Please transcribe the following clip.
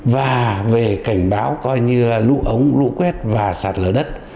và về cảnh báo coi như là lũ ống lũ quét và sạt lở đất